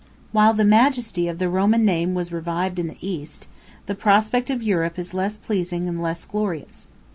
While the majesty of the Roman name was revived in the East, the prospect of Europe is less pleasing and less glorious.